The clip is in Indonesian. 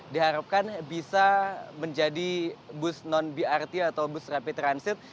diharapkan bisa menjadi bus non brt atau bus rapid transit